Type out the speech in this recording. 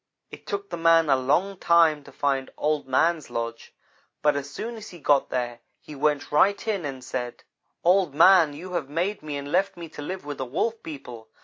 "It took the man a long time to find Old man's lodge, but as soon as he got there he went right in and said: "'Old man, you have made me and left me to live with the Wolf people.